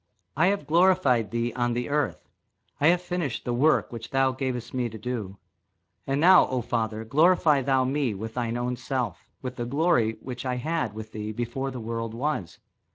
I have glorified thee on the earth: I have finished the work which thou gavest me to do. And now, O Father, glorify thou me with thine own self with the glory which I had with thee before the world was.